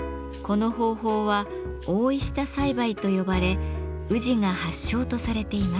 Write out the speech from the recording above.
この方法は「覆下栽培」と呼ばれ宇治が発祥とされています。